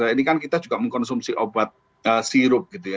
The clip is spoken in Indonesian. ini kan kita juga mengkonsumsi obat sirup gitu ya